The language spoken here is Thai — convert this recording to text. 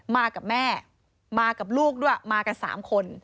มากับแม่มากับลูกด้วยมากัน๓คน